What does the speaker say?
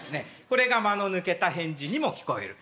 これが間の抜けた返事にも聞こえる。